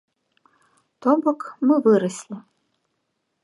То бок, мы выраслі.